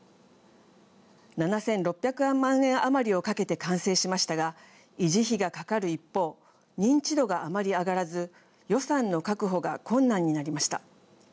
７６００万円余りをかけて完成しましたが維持費がかかる一方認知度があまり上がらず予算の確保が困難になりました。